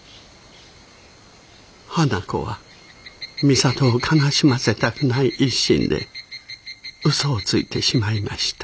花子は美里を悲しませたくない一心で嘘をついてしまいました。